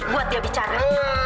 buat dia bicara